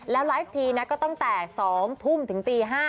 แล้วไลฟ์ทีนะก็ตั้งแต่๒ทุ่มถึงตี๕